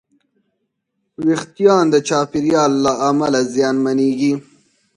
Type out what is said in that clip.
وېښتيان د چاپېریال له امله زیانمنېږي.